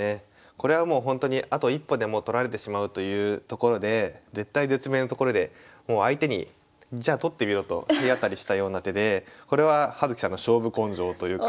これはもうほんとにあと一歩でもう取られてしまうというところで絶体絶命のところでもう相手にじゃあ取ってみろと体当たりしたような手でこれは葉月さんの勝負根性というか。